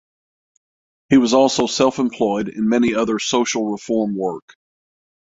He was also self employed in many other social reform work.